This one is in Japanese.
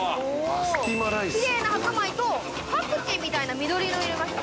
奇麗な白米とパクチーみたいな緑色入れました。